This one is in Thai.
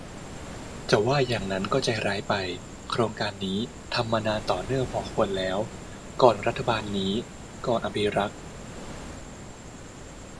จะว่าอย่างนั้นก็ใจร้ายไป โครงการนี้ทำมานานต่อเนื่องพอควรแล้ว ก่อนรัฐบาลนี้ ก่อนอภิรักษ์